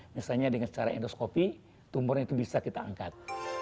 misalnya dengan cara endoskopi tumor itu bisa kita angkat